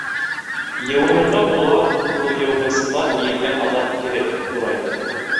- Йыуынырға була ҡулъйыуғысҡа эйелгән Азат кире турайҙы.